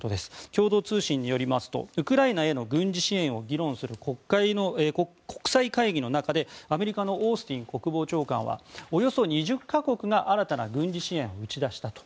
共同通信によりますとウクライナへの軍事支援を議論する国際会議の中で、アメリカのオースティン国防長官はおよそ２０か国が新たな軍事支援を打ち出したと。